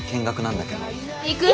行く。